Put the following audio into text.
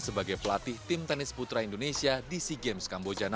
sebagai pelatih tim tenis putra indonesia di sea games kamboja